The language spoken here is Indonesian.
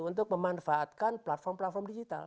untuk memanfaatkan platform platform digital